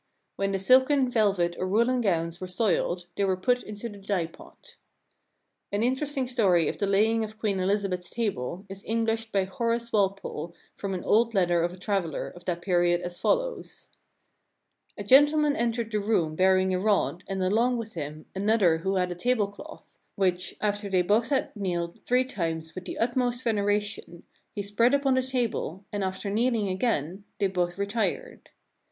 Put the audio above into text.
When the silken, velvet, or woolen gowns were soiled, they were put into the dye pot. An interesting story of the laying of Queen Eliza beth's table is Englished by Horace Walpole from an old letter of a traveler of that period as follows: "A gentleman entered the room bearing a rod, and along "with him another who had a table cloth, which, after they "both had kneeled three times with the utmost veneration, "he spread upon the table, and, after kneeling again, they "both retired.